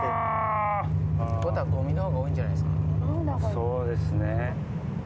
そうですね。